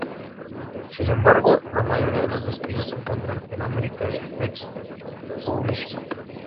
Sin embargo, la mayoría de los despidos se encuentran en American Express Publishing.